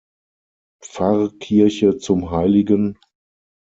Pfarrkirche zum Hl.